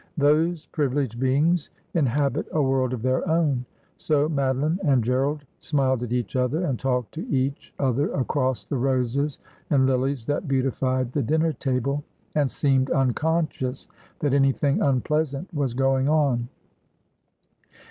Those privileged beings inhabit a world of their own ; so Madoline and Gerald smiled at each other, and talked to each other across the roses and lilies that beautified the dinner table, and seemed unconscious that any thing unpleasant was going on.